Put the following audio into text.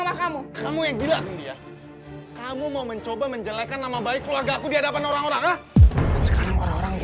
yang gila kamu mau mencoba menjelekkan nama baik keluarga aku di hadapan orang orang orang orang